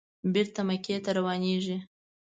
بېرته مکې ته روانېږي.